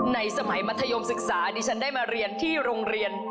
สมัยมัธยมศึกษาดิฉันได้มาเรียนที่โรงเรียน